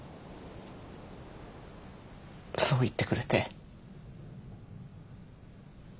そう言ってくれて。